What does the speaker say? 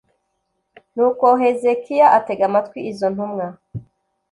Nuko Hezekiya atega amatwi izo ntumwa